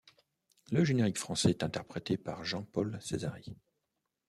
Le générique français est interprété par Jean-Paul Césari.